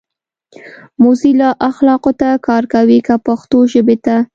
موزیلا اخلاقو ته کار کوي کۀ پښتو ژبې ته؟